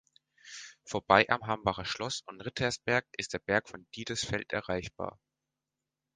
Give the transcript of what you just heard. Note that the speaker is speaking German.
Vorbei am Hambacher Schloss und Rittersberg ist der Berg von Diedesfeld erreichbar.